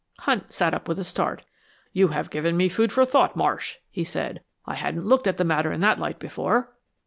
Hunt sat up with a start. "You have given me food for thought, Marsh," he said. "I hadn't looked at the matter in that light before."